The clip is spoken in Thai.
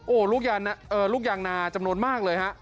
โอ้ลูกยามนาท์จำนวนมากเลย